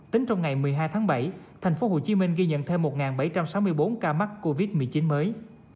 tính trong ngày một mươi hai tháng bảy tp hcm ghi nhận thêm một bảy trăm sáu mươi bốn ca mắc covid một mươi chín mới